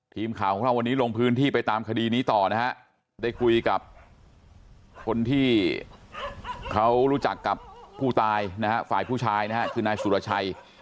ทีมข่าวของเราวันนี้ลงพื้นที่ไปตามคดีนี้ต่อนะฮะ